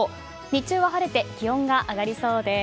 日中は晴れて気温が上がりそうです。